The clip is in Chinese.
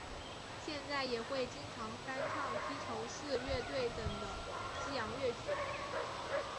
现在也会经常翻唱披头四乐队等的西洋乐曲。